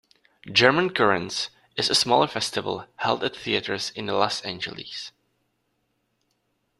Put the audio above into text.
"German Currents" is a smaller festival, held at theaters in Los Angeles.